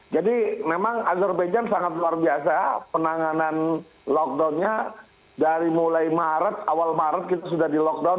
jadi memang azerbaijan sangat luar biasa penanganan lockdownnya dari mulai maret awal maret kita sudah di lockdown